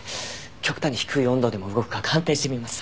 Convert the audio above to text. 極端に低い温度でも動くか鑑定してみます。